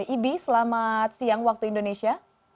ibi selamat siang waktu indonesia